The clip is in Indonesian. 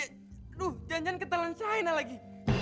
aduh janjan ketelan shaina lagi